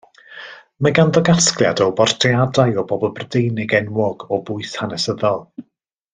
Mae ganddo gasgliad o bortreadau o bobl Brydeinig enwog o bwys hanesyddol.